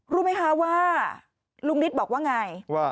รู้ไหมคะว่าลุงนิดบอกว่าไง